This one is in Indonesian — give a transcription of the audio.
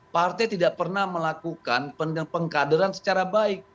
partai tidak pernah melakukan pengkaderan secara baik